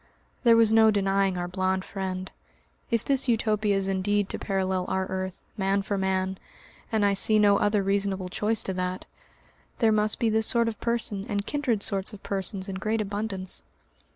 There was no denying our blond friend. If this Utopia is indeed to parallel our earth, man for man and I see no other reasonable choice to that there must be this sort of person and kindred sorts of persons in great abundance.